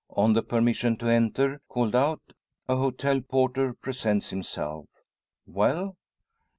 On the permission to enter, called out, a hotel porter presents himself. "Well?"